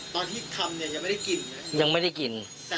ตอนที่ทำเนี่ยยังไม่ได้กินยังไม่ได้กิน